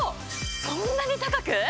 そんなに高く？